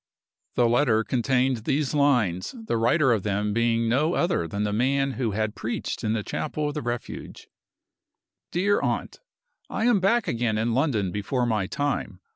The letter contained these lines, the writer of them being no other than the man who had preached in the chapel of the Refuge: "DEAR AUNT I am back again in London before my time.